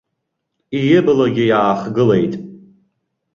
Иблагьы иаахгылеит.